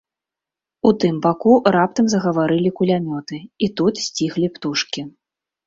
У тым баку раптам загаварылі кулямёты, і тут сціхлі птушкі.